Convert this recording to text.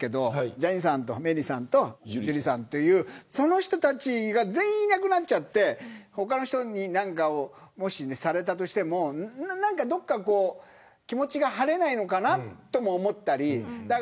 ジャニーさんとメリーさんとジュリーさんっていうその人たちが全員いなくなって他の人にされたとしてもどこか気持ちが晴れないのかなとも思ったり。